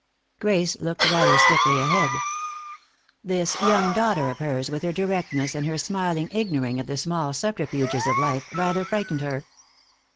Grace looked rather stiffly ahead. This young daughter of hers, with her directness and her smiling ignoring of the small subterfuges of life, rather frightened her.